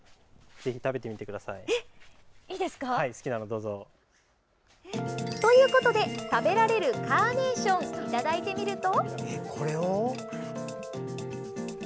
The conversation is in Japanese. どうぞ。ということで食べられるカーネーションいただいてみると。